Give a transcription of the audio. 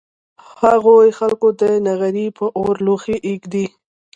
هغوی خلک د نغري په اور لوښي اېږدي